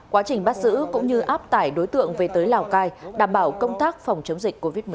quá trình bắt giữ cũng như áp tải đối tượng về tới lào cai đảm bảo công tác phòng chống dịch covid một mươi chín